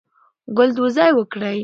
ګلدوزی وکړئ.